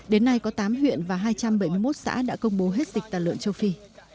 đến nay có tám huyện và hai trăm bảy mươi một xã đã công bố hết dịch tả lợn châu phi